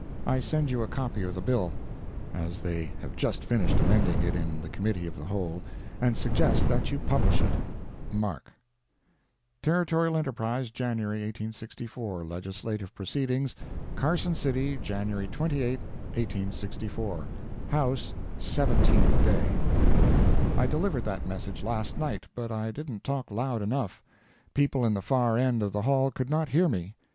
I send you a copy of the bill, as they have just finished amending it in the Committee of the Whole, and suggest that you publish it.—MARK] Territorial Enterprise, January 1864 LEGISLATIVE PROCEEDINGS Carson City, January 28, 1864 HOUSE—SEVENTEENTH DAY I delivered that message last night, but I didn't talk loud enough—people in the far end of the hall could not hear me.